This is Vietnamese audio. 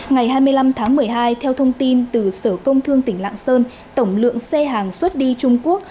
ngày hai mươi năm tháng một mươi hai theo thông tin từ sở công thương tỉnh lạng sơn tổng lượng xe hàng xuất đi trung quốc